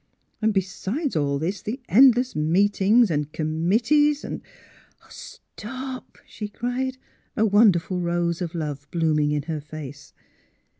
And besides all this, the endless meet ings and committees and "" Stop! " she cried, a wonderful rose of love blooming in her face.